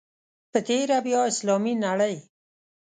په تېره بیا اسلامي نړۍ.